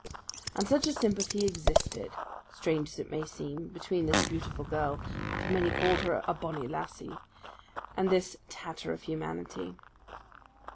And such a sympathy existed, strange as it may seem, between the beautiful girl (for many called her a bonnie lassie) and this "tatter of humanity".